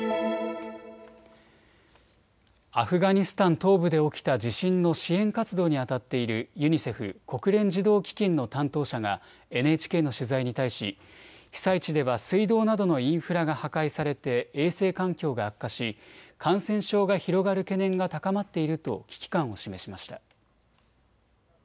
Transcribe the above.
アフガニスタン東部で起きた地震の支援活動にあたっているユニセフ・国連児童基金の担当者がＮＨＫの取材に対し被災地では水道などのインフラが破壊されて衛生環境が悪化し感染症が広がる懸念が高まっていると危機感を示しました。